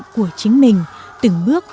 của chính mình từng bước